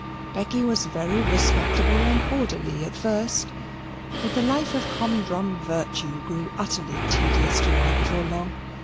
Becky was very respectable and orderly at first, but the life of humdrum virtue grew utterly tedious to her before long.